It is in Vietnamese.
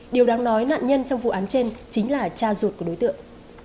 điều đáng nói nạn nhân trong vụ án trên chính là cha ruột của đối tượng